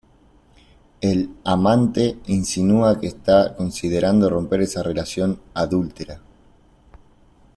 El "amante" insinúa que está considerando romper esa relación "adúltera".